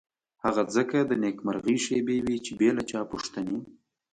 هغه ځکه د نېکمرغۍ شېبې وې چې بې له چا پوښتنې.